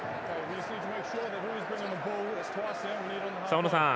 大野さん